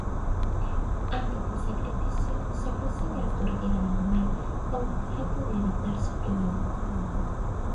Antes del sacrificio se procede a aturdir al animal, con objeto de evitar sufrimiento.